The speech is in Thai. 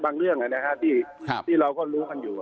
บางเรื่องเนี่ยนะครับที่เราก็รู้กันอยู่